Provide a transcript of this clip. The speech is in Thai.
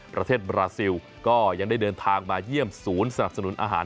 ประเทศบราซิลก็ยังได้เดินทางมาเยี่ยมศูนย์สนับสนุนอาหาร